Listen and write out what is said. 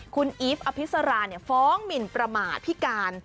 คุณอีฟอภิษราฟ้องหมินประมาทพิการ